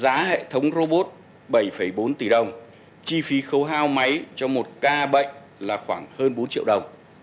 giá hệ thống robot bảy bốn tỷ đồng chi phí khấu hao máy cho một ca bệnh là khoảng hơn bốn triệu đồng